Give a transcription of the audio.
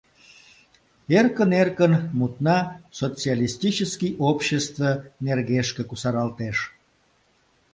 Эркын-эркын мутна социалистический обществе нергешке кусаралтеш.